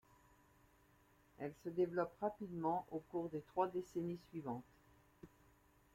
Elle se développe rapidement au cours des trois décennies suivantes.